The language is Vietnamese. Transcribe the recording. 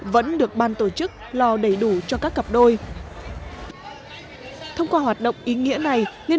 vẫn được ban tổ chức lo đầy đủ cho các công nhân